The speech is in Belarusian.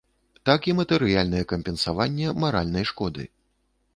Так і матэрыяльнае кампенсаванне маральнай шкоды.